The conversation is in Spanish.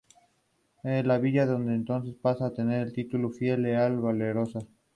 La villa desde entonces pasa a tener el título de "Fiel, Leal y Valerosa".